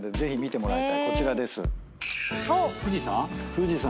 富士山？